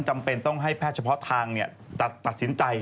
จำเป็นต้องให้แพทย์เฉพาะทางตัดสินใจ